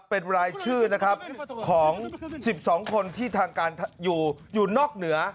เป็นรายชื่อนะครับของ๑๒คนที่ทางการอยู่นอกเหนือ